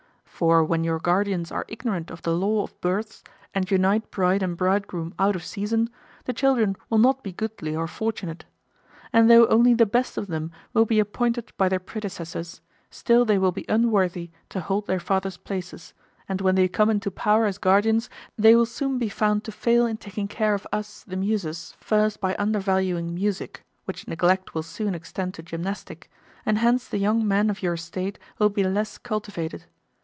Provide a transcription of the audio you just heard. For when your guardians are ignorant of the law of births, and unite bride and bridegroom out of season, the children will not be goodly or fortunate. And though only the best of them will be appointed by their predecessors, still they will be unworthy to hold their fathers' places, and when they come into power as guardians, they will soon be found to fail in taking care of us, the Muses, first by under valuing music; which neglect will soon extend to gymnastic; and hence the young men of your State will be less cultivated.